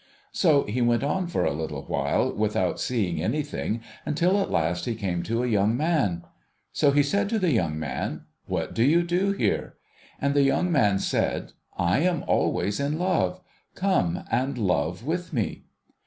So he went on for a little while without seeing anything, until at last he came to a young man. So, he said to the young man, ' Wliat do you do here ?' And the young man said, ' I am always in love. Come and love with me.'